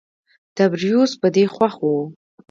تبریوس په دې خوښ و.